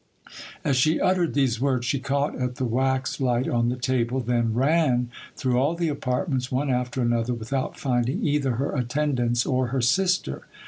As she uttered these words, she caught at the wax light on the table ; then ran through all the apartments one after another, without finding either her attendants or her sister.